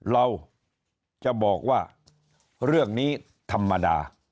เราจะบอกว่าเรื่องนี้ธรรมดา